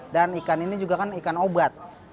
dan ikan ini juga kan ikan obat